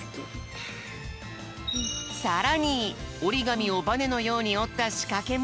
さらにおりがみをバネのようにおったしかけも！